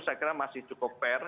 saya kira masih cukup fair